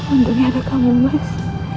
untungnya ada kamu mas